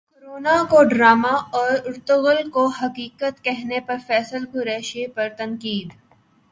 corona کو drama اور Ertugrul کو حقیقت کہنے پر فیصل قریشی پر تنقید